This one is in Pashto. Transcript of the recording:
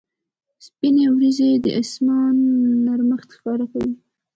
سپینې ورېځې د اسمان نرمښت ښکاره کوي.